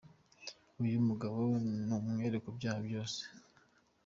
Uyu mugabo ni umwere ku byaha byose.”